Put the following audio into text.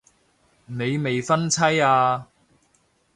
你未婚妻啊